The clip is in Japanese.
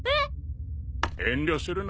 遠慮するな。